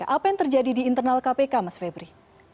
apa yang terjadi di internal kpk mas febri